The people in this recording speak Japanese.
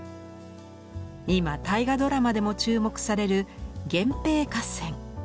今大河ドラマでも注目される源平合戦。